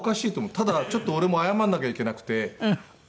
ただちょっと俺も謝らなきゃいけなくて。